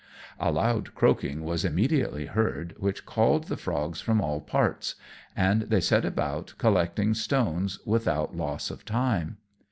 A loud croaking was immediately heard, which called the frogs from all parts; and they set about collecting stones without loss of time.